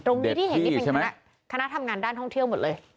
ตรงนี้ที่เห็นนี่เป็นคณะทำงานด้านท่องเที่ยวหมดเลย